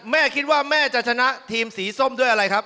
แม่คิดว่าแม่จะชนะทีมสีส้มด้วยอะไรครับ